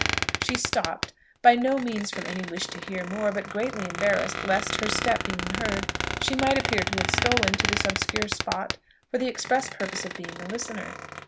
She stopped, by no means from any wish to hear more, but greatly embarrassed lest, her step being heard, she might appear to have stolen to this obscure spot for the express purpose of being a listener.